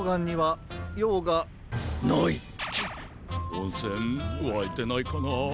おんせんわいてないかな？